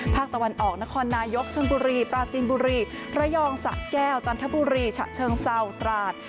ภาคตะวันออกนครนายกชนบุรีปราจีนบุรีระยองสะแก้วจันทบุรีฉะเชิงเศร้าตราด